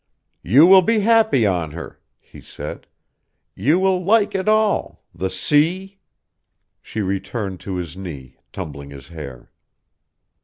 "You will be happy on her," he said. "You will like it all.... The sea...." She returned to his knee, tumbling his hair.